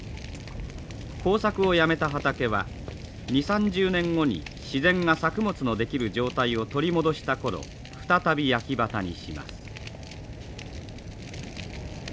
耕作をやめた畑は２０３０年後に自然が作物の出来る状態を取り戻した頃再び焼畑にします。